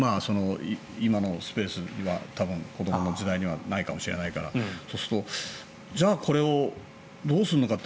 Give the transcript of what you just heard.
今のスペースには多分子どもの時代にはないかもしれないからそうするとじゃあこれをどうするのかって。